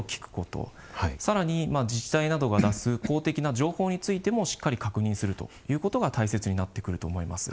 さらに自治体などが出す公的な情報についてもしっかり確認するということが大切になってくると思います。